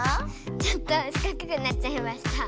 ちょっと四角くなっちゃいました。